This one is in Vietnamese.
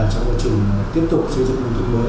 trong quá trình tiếp tục xây dựng hùng thuốc mới